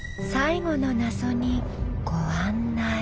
最後の謎にご案内。